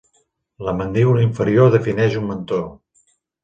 La mandíbula inferior defineix un mentó.